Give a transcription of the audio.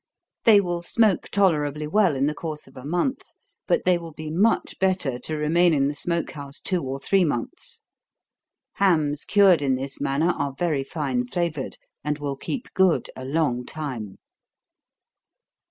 They will smoke tolerably well, in the course of a month, but they will be much better, to remain in the smoke house two or three months. Hams cured in this manner are very fine flavored, and will keep good a long time.